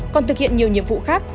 còn thực hiện nhiều nhiệm vụ khác